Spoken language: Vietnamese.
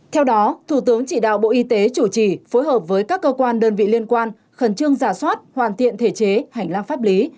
theo đó thủ tướng chỉ đạo bộ y tế chủ trì phối hợp với các cơ quan đơn vị liên quan khẩn trương giả soát hoàn thiện thể chế hành lang pháp lý